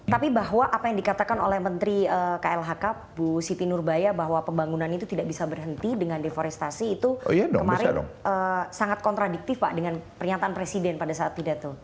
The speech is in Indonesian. tapi bahwa apa yang dikatakan oleh menteri klhk bu siti nurbaya bahwa pembangunan itu tidak bisa berhenti dengan deforestasi itu kemarin sangat kontradiktif pak dengan pernyataan presiden pada saat pidato